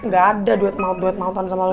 gak ada duet maut duet mautan sama lu